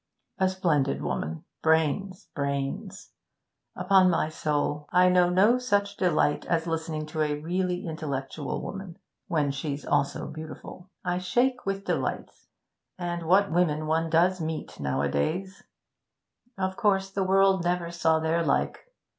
'A splendid woman brains, brains! Upon my soul, I know no such delight as listening to a really intellectual woman, when she's also beautiful. I shake with delight and what women one does meet, nowadays! Of course the world never saw their like.